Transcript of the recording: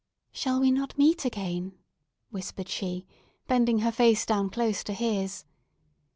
"Shall we not meet again?" whispered she, bending her face down close to his.